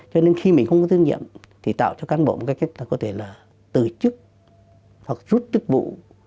cho nên khi mình không có tín nhiệm thì tạo cho căn bộ một cái cách là có thể là từ chức hoặc rút thức vụ